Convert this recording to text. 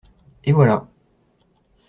Et voilà.